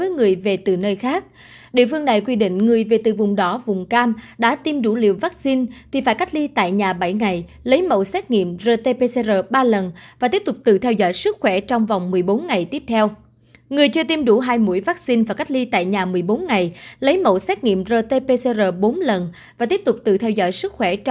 người chưa tiêm đủ hai mũi vaccine và cách ly tại nhà một mươi bốn ngày lấy mẫu xét nghiệm rt pcr bốn lần và tiếp tục tự theo dõi sức khỏe trong một mươi bốn ngày tiếp theo